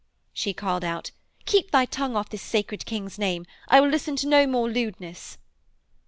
She called out, 'Keep thy tongue off this sacred King's name. I will listen to no more lewdness.'